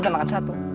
udah makan satu